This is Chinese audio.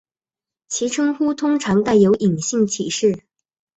其称呼通常带有隐性歧视。